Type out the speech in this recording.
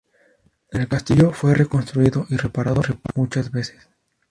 El castillo fue reconstruido y reparado muchas veces.